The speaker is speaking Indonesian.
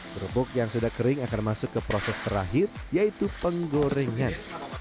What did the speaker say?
kerupuk yang sudah kering akan masuk ke proses terakhir yaitu penggorengan